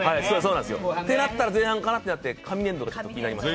てなったら前半かなってなって紙粘土が気になりました。